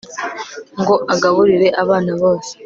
ngo agaburire abana bose